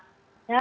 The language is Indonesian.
ya itu seharusnya